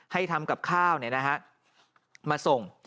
ทำกับข้าวมาส่ง